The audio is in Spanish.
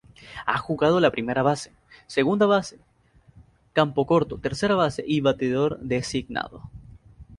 Ha jugado la primera base, segunda base, campocorto, tercera base y bateador designado.